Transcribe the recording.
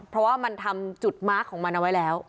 เพราะว่ามันทำจุดมาร์คของมันเอาไว้แล้ว